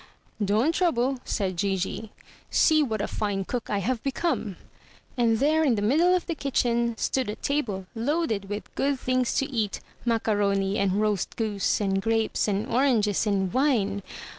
'* "Don't trouble," said Gigi. "See what a fine cook I have become!" And there in the middle of the kitchen stood a table loaded with good things to eat — macaroni and roast goose, and grapes and oranges and wine.